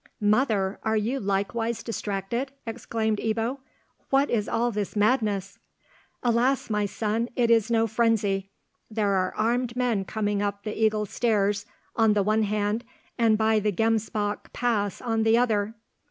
"Mother, are you likewise distracted?" exclaimed Ebbo. "What is all this madness?" "Alas, my son, it is no frenzy! There are armed men coming up the Eagle's Stairs on the one hand and by the Gemsbock's Pass on the other!"